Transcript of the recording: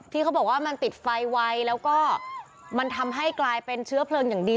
เขาบอกว่ามันติดไฟไวแล้วก็มันทำให้กลายเป็นเชื้อเพลิงอย่างดี